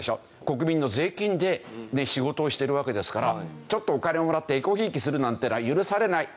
国民の税金で仕事をしてるわけですからちょっとお金をもらってえこひいきするなんていうのは許されない。